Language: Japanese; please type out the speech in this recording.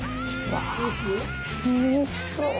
おいしそう。